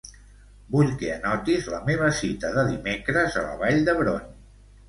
Vull que anotis la meva cita de dimecres a la Vall d'Hebron.